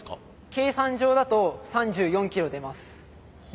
計算上だと３４キロ出ます。